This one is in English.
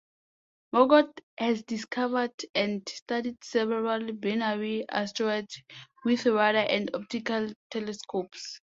Margot has discovered and studied several binary asteroids with radar and optical telescopes.